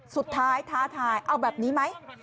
สุดท้ายท้าทายเอาแบบนี้ไหม